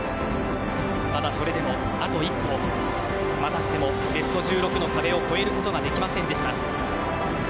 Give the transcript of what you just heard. ただ、それでもあと一歩またしてもベスト１６の壁を越えることができませんでした。